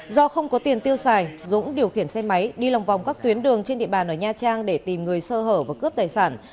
do không có tiền tiêu xài dũng điều khiển xe máy đi lòng vòng các tuyến đường trên địa bàn ở nha trang để tìm người sơ hở và cướp tài sản